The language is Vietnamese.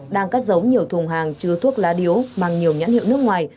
đang cắt giấu nhiều thùng hàng chứa thuốc lá điếu bằng nhiều nhãn hiệu nước ngoài